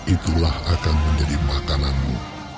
itulah akan menjadi makananmu